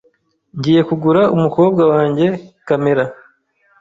Ngiye kugura umukobwa wanjye kamera .